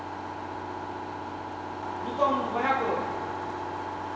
２トン５００。